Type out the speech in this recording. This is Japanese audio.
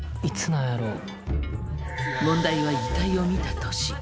問題は遺体を見た年。